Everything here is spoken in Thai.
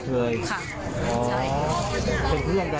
จับภาพได้เลยค่ะ